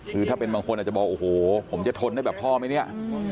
คือถ้าเป็นบางคนอาจจะบอกโอ้โหผมจะทนได้แบบพ่อไหมเนี่ย